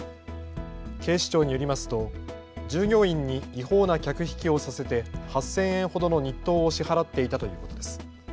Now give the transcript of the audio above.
警視庁によりますと従業員に違法な客引きをさせて８０００円ほどの日当を支払っていたということです。